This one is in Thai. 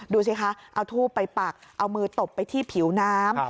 ดูสิคะเอาทูบไปปักเอามือตบไปที่ผิวน้ำ